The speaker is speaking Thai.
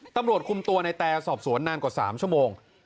ตำรวจคุมตัวในแต่สอบสวนนานกว่า๓ชั่วโมง